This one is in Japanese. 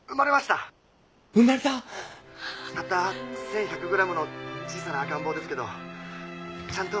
☎たった１，１００グラムの小さな赤ん坊ですけどちゃんと生きてます。